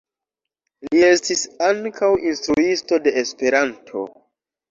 Li estis ankaŭ instruisto de Esperanto.